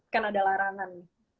kan ada larangan